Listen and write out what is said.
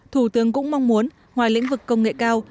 thủ tướng cũng mong muốn ngoài lĩnh vực công nghệ cao